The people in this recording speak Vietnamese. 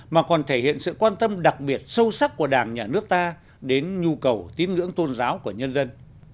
mà còn thể hiện sự quan tâm đặc biệt sâu sắc của đảng nhà nước ta đến nhu cầu tín ngưỡng tôn giáo của nhân dân